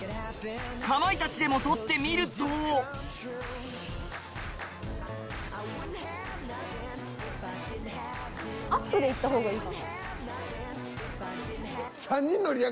かまいたちでも撮ってみるとアップでいった方がいいかな？